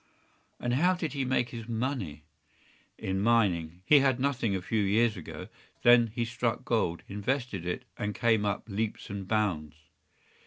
” “And how did he make his money?” “In mining. He had nothing a few years ago. Then he struck gold, invested it, and came up by leaps and bounds.